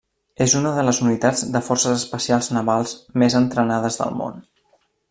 És una de les unitats de forces especials navals més entrenades del món.